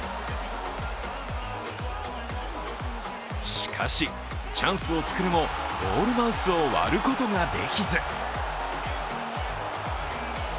しかし、チャンスをつくるもゴールマウスを割ることができず。